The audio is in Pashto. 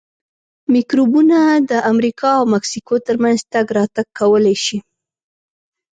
میکروبونه د امریکا او مکسیکو ترمنځ تګ راتګ کولای شي.